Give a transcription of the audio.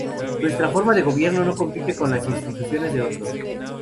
Nuestra forma de gobierno no compite con las instituciones de otros.